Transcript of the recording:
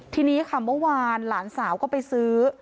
ทีนี้ค่ะเมื่อวานหลานสาวก็ไปซื้อ